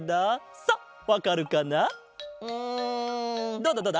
どうだどうだ？